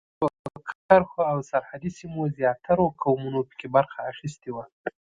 د ختیځو کرښو او سرحدي سیمو زیاترو قومونو په کې برخه اخیستې وه.